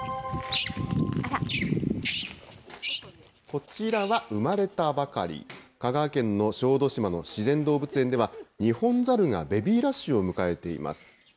こちらは生まれたばかり、香川県の小豆島の自然動物園では、ニホンザルがベビーラッシュを迎えています。